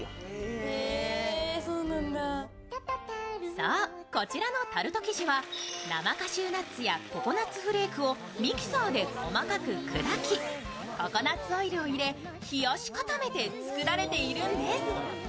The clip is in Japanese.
そう、こちらのタルト生地は生カシューナッツやココナツフレークをミキサーで細かく砕き、ココナツオイルを入れ冷やし固めて作られているんです。